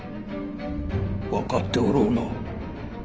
分かっておろうな。